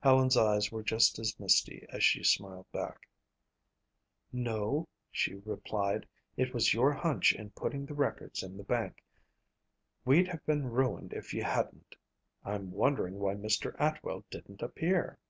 Helen's eyes were just as misty as she smiled back. "No," she replied, "it was your hunch in putting the records in the bank. We'd have been ruined if you hadn't. I'm wondering why Mr. Atwell didn't appear."